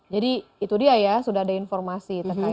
jadi itu dia ya sudah ada informasi terkaitkan ini